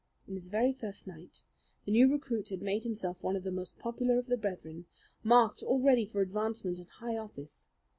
In his very first night the new recruit had made himself one of the most popular of the brethren, marked already for advancement and high office.